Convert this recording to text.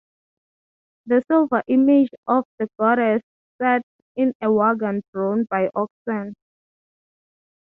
The silver image of the goddess sat in a wagon drawn by oxen.